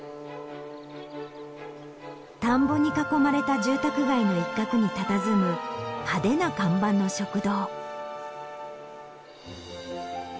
田んぼに囲まれた住宅街の一角にたたずむ派手な看板の食堂。